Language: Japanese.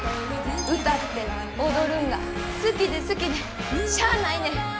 歌って踊るんが好きで好きでしゃあないねん。